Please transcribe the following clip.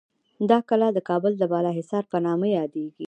دا کلا د کابل د بالاحصار په نامه یادیږي.